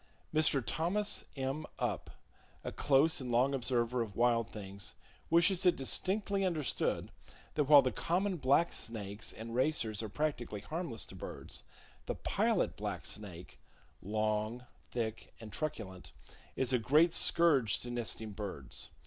—Mr. Thomas M. Upp, a close and long observer of wild things wishes it distinctly understood that while the common black snakes and racers are practically harmless to birds, the Pilot Black Snake,—long, thick and truculent,—is a great scourge to nesting birds.